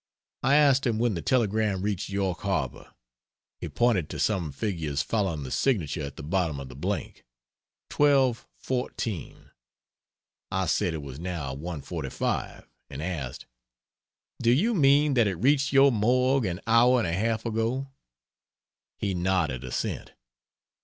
I asked him when the telegram reached York Harbor. He pointed to some figures following the signature at the bottom of the blank "12.14." I said it was now 1.45 and asked "Do you mean that it reached your morgue an hour and a half ago?" He nodded assent.